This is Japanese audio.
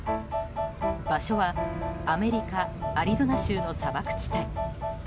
場所はアメリカ・アリゾナ州の砂漠地帯。